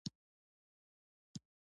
د سپوږمۍ غیږه کې سر ږدي